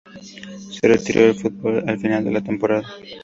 Se retiró del fútbol al final de la temporada.